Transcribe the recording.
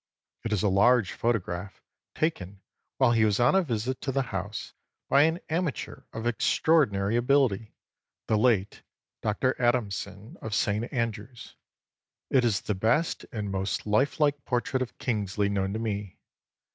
It is a large photograph, taken, while he was on a visit to the house, by an amateur of extraordinary ability, the late Dr. Adamson of St. Andrews. It is the best and most lifelike portrait of Kingsley known to me.